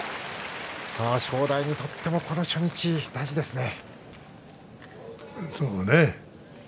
正代にとってもこの初日大事ですね。